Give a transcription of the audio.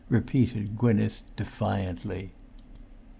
repeated Gwynneth defiantly.